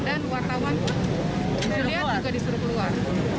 dan wartawan kejadian juga disuruh keluar